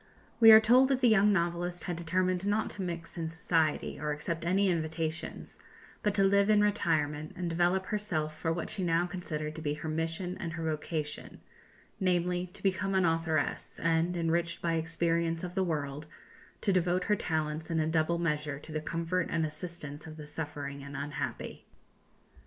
We are told that the young novelist had determined not to mix in society or accept any invitations, but to live in retirement, and develop herself for what she now considered to be her mission and her vocation, namely, to become an authoress; and, enriched by experience of the world, to devote her talents in a double measure to the comfort and assistance of the suffering and unhappy.